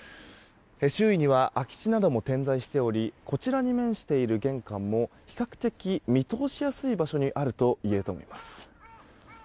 周囲には空き地なども点在しておりこちらに面している玄関も比較的、見通しやすい場所にあるといえます。